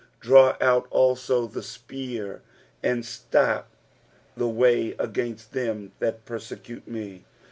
Draio out aUo the tpear, and ttop the way againit them that prrtecute me."